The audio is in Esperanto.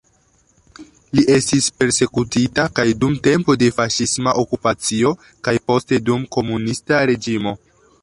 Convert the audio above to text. Li estis persekutita kaj dum tempo de faŝisma okupacio kaj poste dum komunista reĝimo.